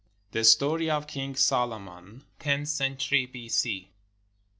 THE STORY OF KING SOLOMON [Tenth century B.C.